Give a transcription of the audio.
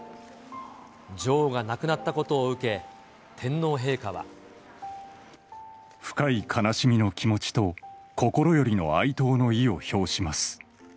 女王が亡くなったことを受け、深い悲しみの気持ちと、心よりの哀悼の意を表します。